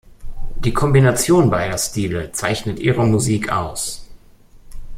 Die Kombination beider Stile zeichnet ihre Musik aus.